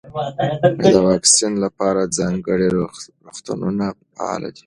د واکسین لپاره ځانګړي روغتونونه فعال دي.